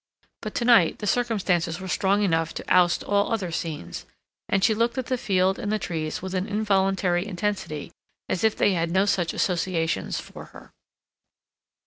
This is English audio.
But to night the circumstances were strong enough to oust all other scenes; and she looked at the field and the trees with an involuntary intensity as if they had no such associations for her.